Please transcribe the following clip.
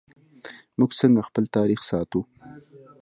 موږ څنګه خپل تاریخ ساتو؟